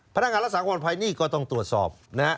พนักงานรักษาความปลอดภัยนี่ก็ต้องตรวจสอบนะฮะ